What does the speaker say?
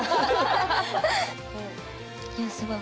いやすごい。